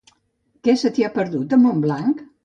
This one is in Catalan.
Què se t'hi ha perdut, a Montblanc?